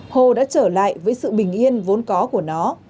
hồ đã trở lại với sự bình yên vốn có của nó